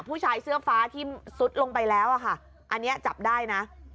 ผู้ชายเสื้อฟ้าที่ซุดลงไปแล้วอะค่ะอันนี้จับได้นะ